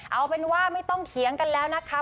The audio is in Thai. เอาเป็นว่าไม่ต้องเถียงกันแล้วนะคะ